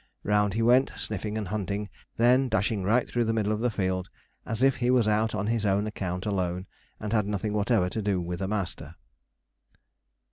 Round he went, sniffing and hunting, then dashing right through the middle of the field, as if he was out on his own account alone, and had nothing whatever to do with a master.